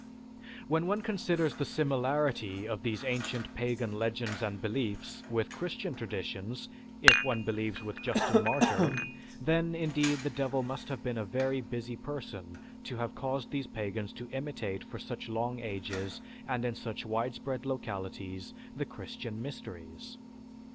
When one considers the similarity of these ancient pagan legends and beliefs with Christian traditions if one believes with Justin Martyr, then indeed the Devil must have been a very busy person to have caused these pagans to imitate for such long ages and in such widespread localities the Christian mysteries.